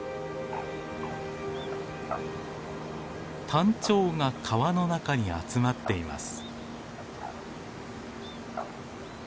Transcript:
タンチョウが川の中に集まっています。